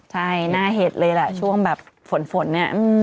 ใช่หน้าเห็ดเลยแหละช่วงแบบฝนเนี่ย